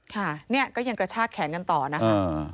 ค่ะเนี่ยก็ยังกระชากแขนกันต่อนะคะ